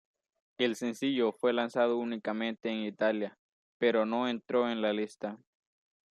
El sencillo fue lanzado únicamente en Italia, pero no entró en la lista.